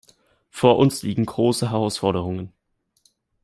Vor uns liegen große Herausforderungen.